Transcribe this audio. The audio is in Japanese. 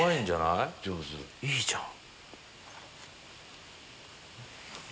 いいじゃん。